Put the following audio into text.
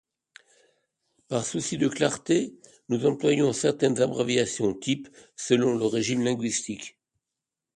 Par souci de clarté, nous employons certaines abréviations-types, selon le régime linguistique.